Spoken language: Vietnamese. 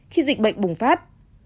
khi dịch bệnh bùng phát